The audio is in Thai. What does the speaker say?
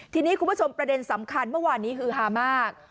ทีนี้คุณผู้ชมประเด็นสำคัญเมื่อวานนี้ฮือฮามาก